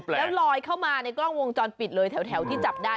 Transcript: แล้วลอยเข้ามาในกล้องวงจรปิดเลยแถวที่จับได้